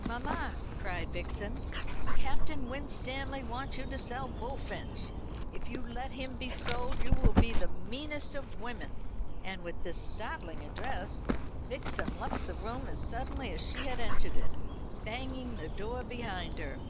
"Mamma," cried Vixen, "Captain Winstanley wants you to sell Bullfinch. If you let him be sold, you will be the meanest of women." And with this startling address Vixen left the room as suddenly as she had entered it, banging the door behind her.